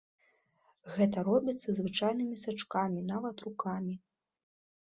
Гэта робіцца звычайнымі сачкамі, нават рукамі!